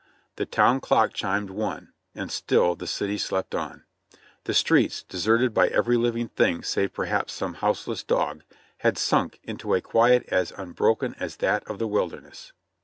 The town clock chimed "one," and still the city slept on; the streets, deserted by every living thing save perhaps some houseless dog, had sunk into a quiet as unbroken as that of the wilderness.